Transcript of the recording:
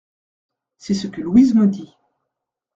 C’est ce que Louise me dit.